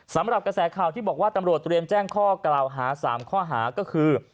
สำหรับกระแสข่าวที่บอกว่าตำรวจเตรียมแจ้งข้อกล่าวหา๓ข้อหาก็คือ